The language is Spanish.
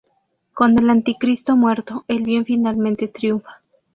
Con el Anticristo muerto, el bien finalmente triunfa.